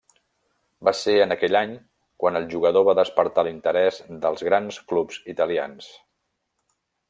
Va ser en aquell any quan el jugador va despertar l'interès dels grans clubs italians.